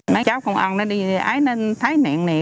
mấy cháu công an nó đi ái nó thái nạn này